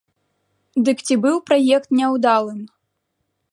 Дык ці быў праект няўдалым?